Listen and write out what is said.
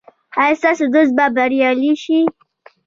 ایا ستاسو دوست به بریالی شي؟